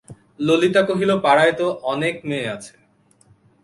ললিতা কহিল, পাড়ায় তো অনেক মেয়ে আছে।